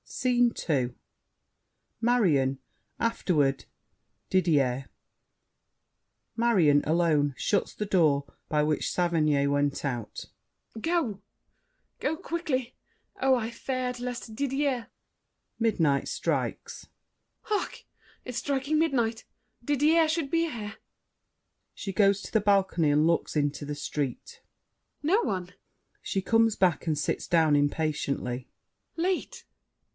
SCENE II Marion, afterward Didier MARION (alone, shuts the door by which Saverny went out). Go— Go quickly! Oh, I feared lest Didier— [Midnight strikes. Hark! It's striking midnight! Didier should be here! [She goes to the balcony and looks into the street. No one! [She comes back and sits down impatiently. Late!